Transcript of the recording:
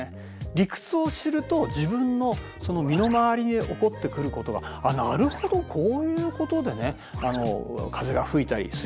理屈を知ると自分の身の回りに起こってくることがあっなるほどこういうことで風がふいたりするんだ。